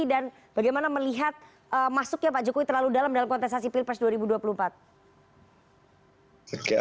dan bagaimana melihat masuknya pak jokowi terlalu dalam dalam kontestasi pilpres dua ribu dua puluh empat